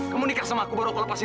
kamu nikah sama aku baru aku lepasin